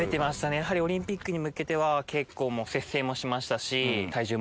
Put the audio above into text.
やはりオリンピックに向けては結構摂生もしましたし。